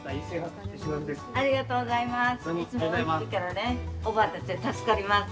ありがとうございます。